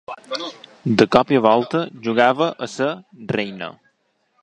De cop i volta, jugava a ser reina.